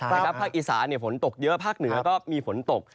ภาคอีสานฝนตกเยอะภาคเหนือก็มีฝนตก